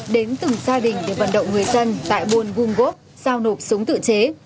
đến từng gia đình để vận động người dân tại buôn vung gốc giao nộp súng tự chế